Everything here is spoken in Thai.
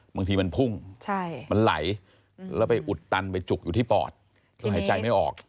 บางทีมันพุ่งมันไหลแล้วไปอุดตันไปจุกอยู่ที่ปอดก็หายใจไม่ออก